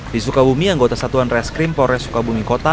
di sukabumi anggota satuan reskrim polres sukabumi kota